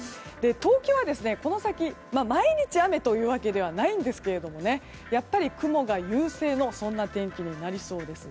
東京はこの先、毎日雨というわけではないですがやっぱり雲が優勢の天気になりそうです。